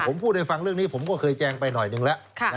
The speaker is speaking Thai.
ผมพูดให้ฟังเรื่องนี้ผมก็เคยแจงไปหน่อยหนึ่งแล้ว